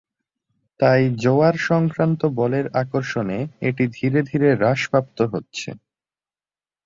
তাই জোয়ার-সংক্রান্ত বলের আকর্ষণে এটি ধীরে ধীরে হ্রাসপ্রাপ্ত হচ্ছে।